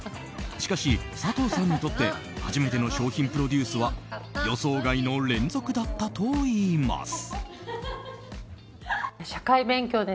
しかし、佐藤さんにとって初めての商品プロデュースは予想外の連続だったといいます。